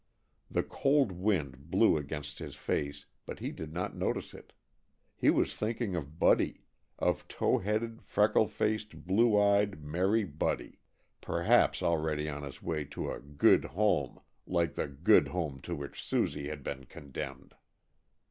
The cold wind blew against his face but he did not notice it. He was thinking of Buddy of tow headed, freckled faced, blue eyed, merry Buddy, perhaps already on his way to a "good home" like the "good home" to which Susie had been condemned.